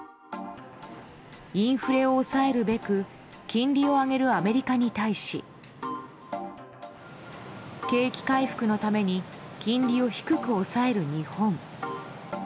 インフレを抑えるべく金利を上げるアメリカに対し景気回復のために金利を低く抑える日本。